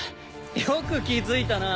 よく気づいたな。